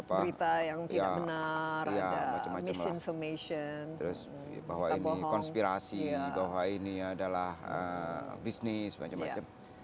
berita yang tidak benar ada misinformation bahwa ini konspirasi bahwa ini adalah bisnis macam macam